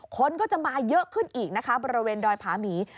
คนก็จะมาเยอะขึ้นอีกนะคะบริเวณดอยผาหมี